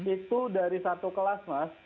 itu dari satu kelas mas